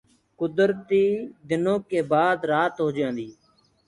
گُدرتي دنو ڪي بآد رآت هوجآندي هي۔